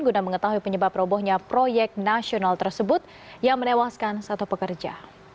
guna mengetahui penyebab robohnya proyek nasional tersebut yang menewaskan satu pekerja